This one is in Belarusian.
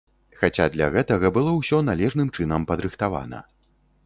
Хаця для гэтага было ўсё належным чынам падрыхтавана.